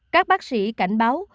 các bác sĩ cảnh báo